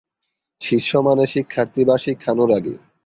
শিষ্য মানে শিক্ষার্থী বা শিক্ষানুরাগী।